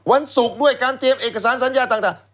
วันศุกร์ด้วยการเตรียมเอกสารสัญญาต่าง